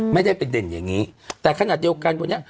ไม่ได้เป็นเด่นอย่างนี้แต่ขนาดเดียวกันวันนี้